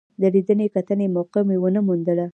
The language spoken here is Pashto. د لیدنې کتنې موقع مې ونه موندله.